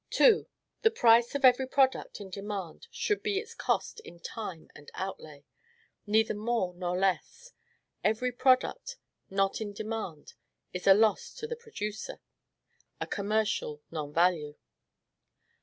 2. The price of every product in demand should be its cost in time and outlay neither more nor less: every product not in demand is a loss to the producer a commercial non value.